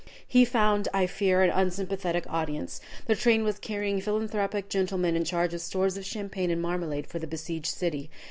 He found, I fear, an unsympathetic audience. The train was carrying philanthropic gentlemen in charge of stores of champagne and marmalade for the besieged city.